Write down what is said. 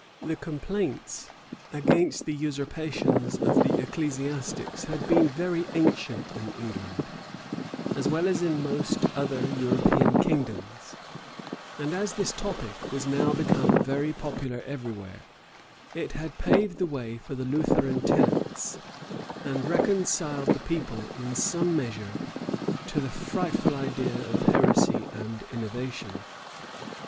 The complaints against the usurpations of the ecclesiastics had been very ancient in England, as well as in most other European kingdoms; and as this topic was now become popular every where, it had paved the way for the Lutheran tenets, and reconciled the people, in some measure, to the frightful idea of heresy and innovation.